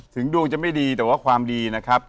ถึงดวงจะไม่ดีแต่ว่าความดีนะครับ